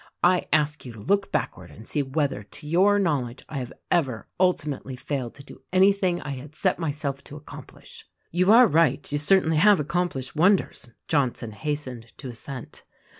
I ask you to look backward and see whether, to your knowledge, I have ever ultimately failed to do any thing I had set myself to accomplish." "You are right ; you certainly have accomplished won ders !" Johnson hastened to assent.